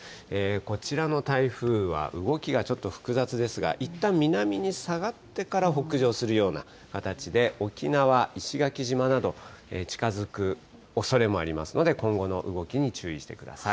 こちらの台風は動きがちょっと複雑ですが、いったん、南に下がってから北上するような形で、沖縄・石垣島など近づくおそれもありますので、今後の動きに注意してください。